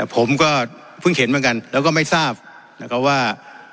ผมก็เพิ่งเห็นเหมือนกันแล้วก็ไม่ทราบนะครับว่า